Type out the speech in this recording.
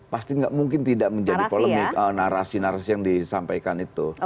pasti nggak mungkin tidak menjadi polemik narasi narasi yang disampaikan itu